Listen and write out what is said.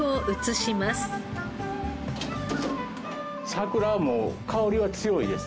桜も香りは強いです。